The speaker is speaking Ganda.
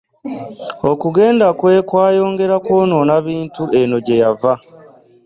Okugenda kwe kwayongera kwonoona bintu eno gye yava.